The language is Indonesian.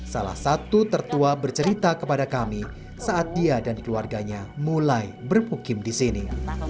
salah satu tertua bercerita kepada kami saat dia dan keluarganya mulai bermukim di sini